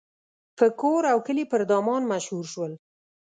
په کور او کلي پر دامان مشهور شول.